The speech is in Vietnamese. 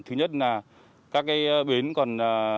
thứ nhất là các cái bến còn